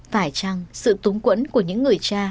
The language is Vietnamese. phải chăng sự túng quẫn của những người cha